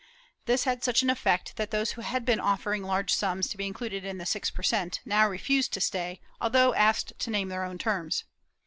This had such an effect that those who had been offer ing large sums to be included in the six per cent, now refused to stay, although asked to name their own terms.